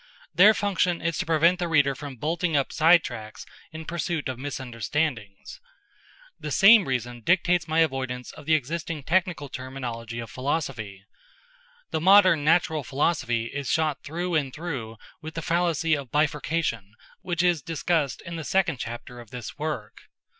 Their function is to prevent the reader from bolting up side tracks in pursuit of misunderstandings. The same reason dictates my avoidance of the existing technical terminology of philosophy. The modern natural philosophy is shot through and through with the fallacy of bifurcation which is discussed in the second chapter of this work.